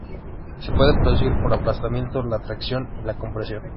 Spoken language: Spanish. Se puede producir por aplastamiento, la tracción y la compresión.